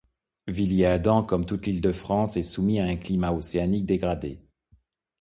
Villiers-Adam, comme toute l'Île-de-France, est soumis à un climat océanique dégradé.